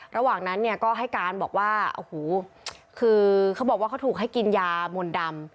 ระหว่างนั้นเนี่ยก็ให้การบอกว่าโอ้โหคือเขาบอกว่าเขาถูกให้กินยามนต์ดำ